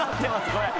これ。